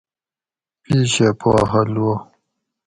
پیشہ پا حلوہ